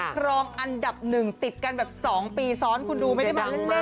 ครองอันดับ๑ติดกันแบบ๒ปีซ้อนคุณดูไม่ได้มาเล่น